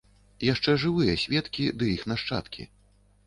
Яшчэ жывыя сведкі ды іх нашчадкі.